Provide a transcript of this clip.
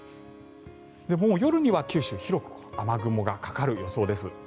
もう夜には九州は広く雨雲がかかる予想です。